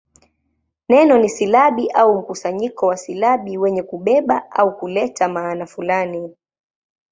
Neno ni silabi au mkusanyo wa silabi wenye kubeba au kuleta maana fulani.